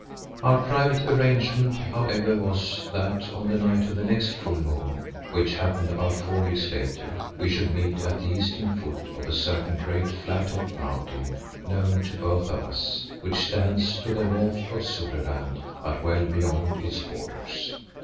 Our private arrangement, however, was that on the night of the next full moon, which happened about four weeks later, we should meet at the eastern foot of a certain great, flat topped mountain known to both of us, which stands to the north of Zululand but well beyond its borders.